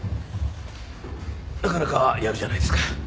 なかなかやるじゃないですか。